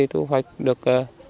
thu hoạch được